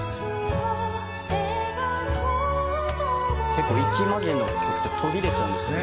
「結構息交じりの曲って途切れちゃうんですよね」